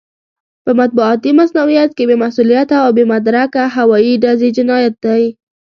په مطبوعاتي مصؤنيت کې بې مسووليته او بې مدرکه هوايي ډزې جنايت دی.